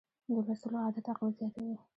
د لوستلو عادت عقل زیاتوي.